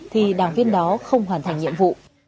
thì đảng viên đó không hoàn thành nhiệm vụ